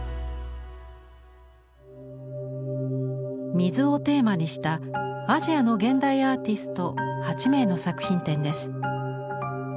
水をテーマにしたアジアの現代アーティスト８名の作品展です。